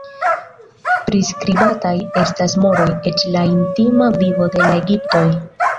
Priskribataj estas moroj, eĉ la intima vivo de la egiptoj.